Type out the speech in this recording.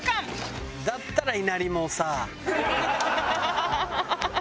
だったらいなりもさ。ハハハハ！